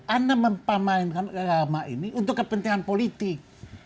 anda mempamainkan agama ini untuk kepentingan politik